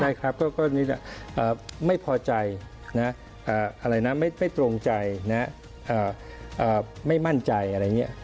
ใช่ครับก็ไม่พอใจนะไม่ตรงใจนะไม่มั่นใจอะไรอย่างนี้